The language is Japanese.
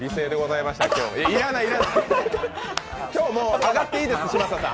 今日もう上がっていいです、嶋佐さん。